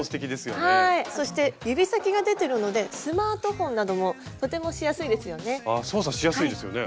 そして指先が出てるのでスマートフォンなどもとてもしやすいですよね。